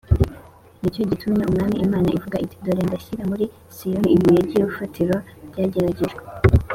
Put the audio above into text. ‘ni cyo gitumye umwami imana ivuga iti, ‘dore ndashyira muri siyoni ibuye ry’urufatiro ryageragejwe,